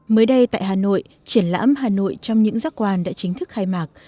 mới đây tại hà nội triển lãm hà nội trong những giác quan đã chính thức khai mạc